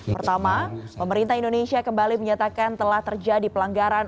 pertama pemerintah indonesia kembali menyatakan telah terjadi pelanggaran